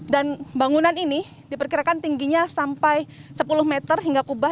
dan bangunan ini diperkirakan tingginya sampai sepuluh meter hingga kubah